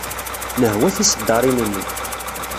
Nehwa tiseddaṛin-nni.